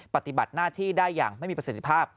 ปฏิบัติหน้าที่ได้อย่างไม่มีประสิทธิภาพ